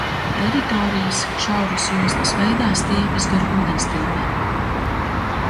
Teritorijas šauras joslas veidā stiepjas gar ūdenstilpēm.